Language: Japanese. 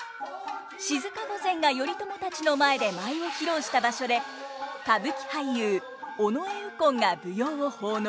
静御前が頼朝たちの前で舞を披露した場所で歌舞伎俳優尾上右近が舞踊を奉納。